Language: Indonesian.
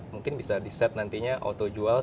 mungkin bisa di set nantinya auto jual